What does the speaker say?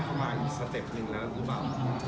คำว่าก็สเต็ปหนึ่งแล้วรู้หรือเปล่า